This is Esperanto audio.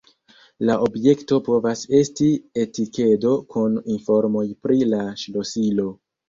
La objekto povas esti etikedo kun informoj pri la ŝlosilo.